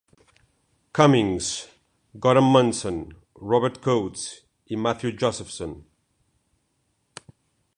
Cummings, Gorham Munson, Robert Coates i Matthew Josephson.